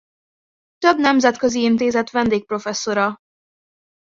Több nemzetközi intézet vendégprofesszora.